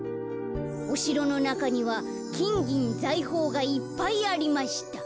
おしろのなかにはきんぎんざいほうがいっぱいありました」。